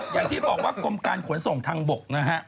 อย่างที่บอกว่ากรมการขนส่งทางบกนะฮะ